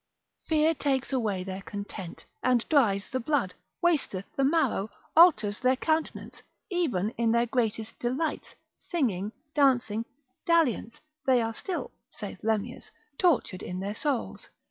Fear takes away their content, and dries the blood, wasteth the marrow, alters their countenance, even in their greatest delights, singing, dancing, dalliance, they are still (saith Lemnius) tortured in their souls.